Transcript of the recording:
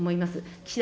岸田